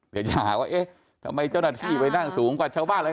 เดี๋ยวจะหาว่าเอ๊ะทำไมเจ้าหน้าที่ไว้นั่งสูงกว่าชาวบ้าน